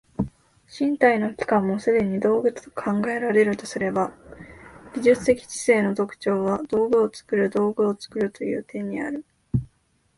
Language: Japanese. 身体の器官もすでに道具と考えられるとすれば、技術的知性の特徴は道具を作る道具を作るという点にある。